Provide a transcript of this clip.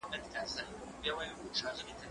ليک ولوله؟